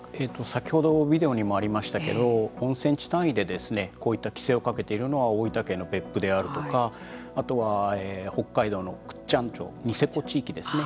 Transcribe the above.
先ほどビデオにもありましたけれども温泉地単位でこういった規制をかけているのは大分県の別府であるとかあとは北海道の倶知安町ニセコ地域ですね。